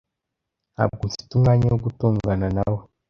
Ntabwo mfite umwanya wo gutongana nawe